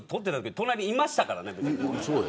隣にいましたからね。